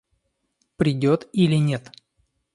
Придет или нет?